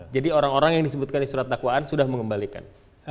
jadi orang orang yang disebutkan di surat dakwaan sudah mengembalikan